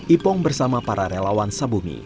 ipong bersama para relawan sabumi